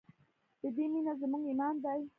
د دې مینه زموږ ایمان دی